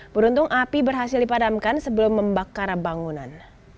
beruntung api berhasil dipadamkan sebelum membakar bangunan